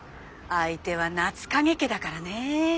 相手は夏影家だからね。